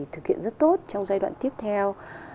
thực hiện rất tốt trong giai đoạn tiếp theo